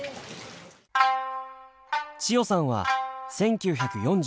千代さんは１９４３年生まれ。